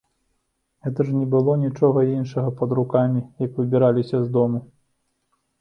Гэта ж не было нічога іншага пад рукамі, як выбіраліся з дому.